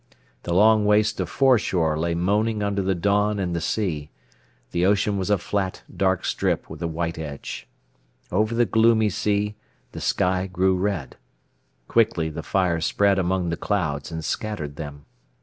The long waste of foreshore lay moaning under the dawn and the sea; the ocean was a flat dark strip with a white edge. Over the gloomy sea the sky grew red. Quickly the fire spread among the clouds and scattered them.